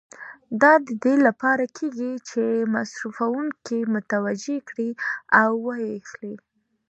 دا د دې لپاره کېږي چې مصرفوونکي متوجه کړي او و یې اخلي.